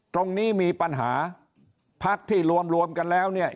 ตรงนี้มีปัญหาพักที่รวมรวมกันแล้วเนี่ย